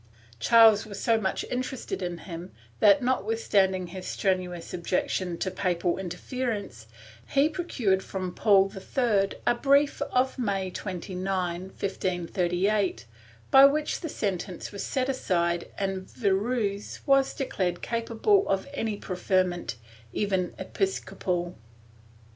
Charles was so much interested in him that, notwithstanding his strenuous objec tion to papal interference, he procured from Paul III a brief of May 29, 1538, by which the sentence was set aside and Virues was declared capable of any preferment, even episcopal.